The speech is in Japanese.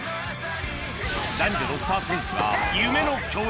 男女のスター選手が夢の共演